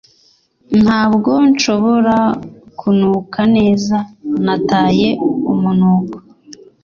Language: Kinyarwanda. Ntabwo nshobora kunuka neza. Nataye umunuko.